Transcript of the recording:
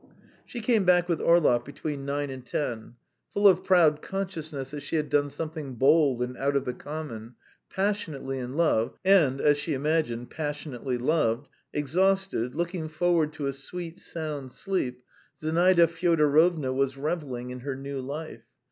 She came back with Orlov between nine and ten. Full of proud consciousness that she had done something bold and out of the common, passionately in love, and, as she imagined, passionately loved, exhausted, looking forward to a sweet sound sleep, Zinaida Fyodorovna was revelling in her new life.